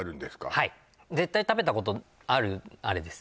はい絶対食べたことあるあれです